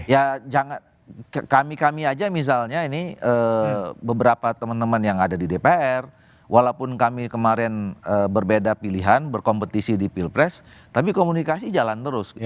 ya kami kami aja misalnya ini beberapa teman teman yang ada di dpr walaupun kami kemarin berbeda pilihan berkompetisi di pilpres tapi komunikasi jalan terus